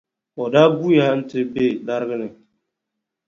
O daa guuya nti be lariga ni.